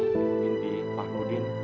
binti pak mudin